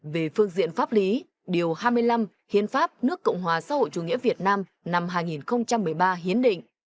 về phương diện pháp lý điều hai mươi năm hiến pháp nước cộng hòa xã hội chủ nghĩa việt nam năm hai nghìn một mươi ba hiến định